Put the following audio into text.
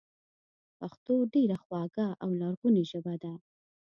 پښتو ډېره خواږه او لرغونې ژبه ده